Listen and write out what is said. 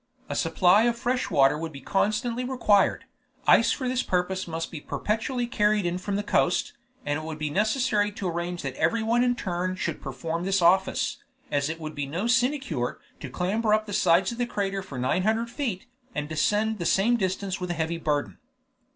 A supply of fresh water would be constantly required; ice for this purpose must be perpetually carried in from the coast, and it would be necessary to arrange that everyone in turn should perform this office, as it would be no sinecure to clamber up the sides of the crater for 900 feet, and descend the same distance with a heavy burden.